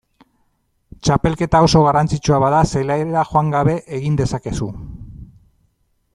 Txapelketa oso garrantzitsua bada zelaira joan gabe egin dezakezu.